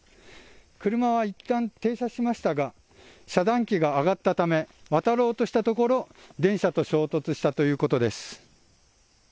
車はいったん停車しましたが遮断機が上がったため渡ろうとしたところ電車と衝突したということです。